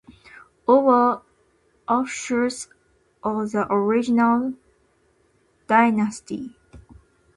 All are offshoots of the original dynasty.